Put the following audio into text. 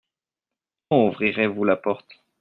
Quand ouvrirez-vous la porte ?